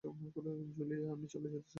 Julia আমি চলে যেতে চাই।